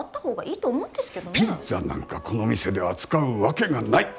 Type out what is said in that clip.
ピッツァなんかこの店で扱うわけがない。